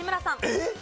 えっ？